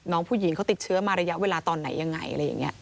น้องผู้หญิงเขาติดเชื้อมาระยะเวลาตอนไหนอย่างไร